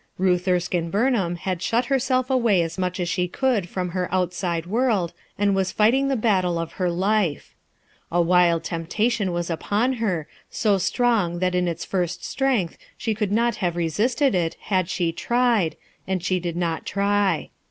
Ruth Erskine Bumham had shut herself away as much as she could from her outside world, and was fighting the battle of her life. A wild temptation was upon her, so strong that in its first strength .he could not have re^ sisted it, had she tried, and she did not try.